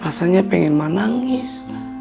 rasanya pengen ma nangis